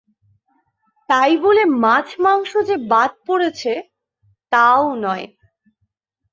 তাই বলে মাছ মাংস যে বাদ পড়েছে, তা ও নয়।